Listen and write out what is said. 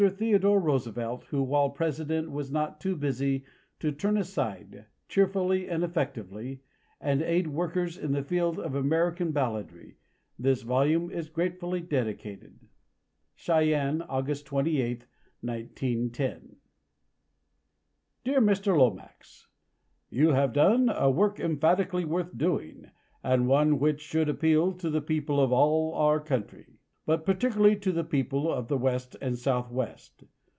THEODORE ROOSEVELT WHO WHILE PRESIDENT WAS NOT TOO BUSY TO TURN ASIDE CHEERFULLY AND EFFECTIVELY AND AID WORKERS IN THE FIELD OF AMERICAN BALLADRY, THIS VOLUME IS GRATEFULLY DEDICATED Cheyenne Aug 28th 1910 Dear Mr. Lomax, You have done a work emphatically worth doing and one which should appeal to the people of all our country, but particularly to the people of the west and southwest.